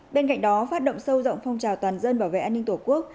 bên cạnh đó phát động sâu rộng phong trào toàn dân bảo vệ an ninh tổ quốc